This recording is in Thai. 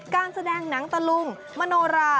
การแสดงหนังตะลุงมโนรา